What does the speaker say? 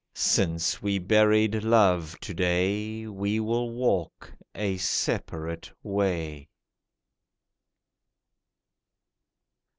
Since we buried Love to day We will walk a separate way.